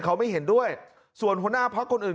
เขาไม่เห็นด้วยส่วนหัวหน้าพักคนอื่น